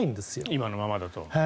今のままだと。